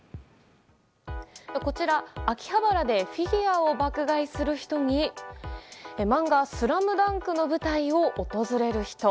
こちら、秋葉原でフィギュアを爆買いする人に漫画「ＳＬＡＭＤＵＮＫ」の舞台を訪れる人。